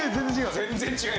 全然違う！